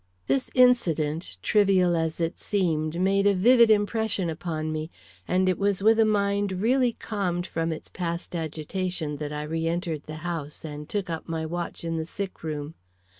This incident, trivial as it seemed, made a vivid impression upon me, and it was with a mind really calmed from its past agitation that I re entered the house and took up my watch in the sick room.